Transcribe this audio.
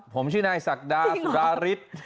ผมชื่อนายศักดาสุราฤทธิ์